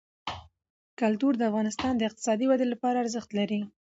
کلتور د افغانستان د اقتصادي ودې لپاره ارزښت لري.